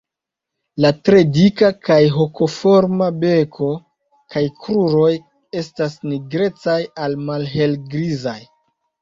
La tre dika kaj hokoforma beko kaj kruroj estas nigrecaj al malhelgrizaj.